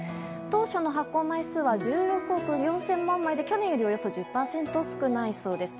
当初の発行枚数は１６億４０００万枚で去年よりおよそ１０％少ないそうです。